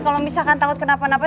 kalau misalkan takut kenapa napa